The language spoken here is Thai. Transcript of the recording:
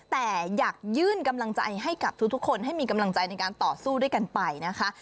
แต่อยากยื่นกำลังใจให้กับทุกคนให้มีกำลังใจในการต่อสู้ด้วยกันไปนะคะ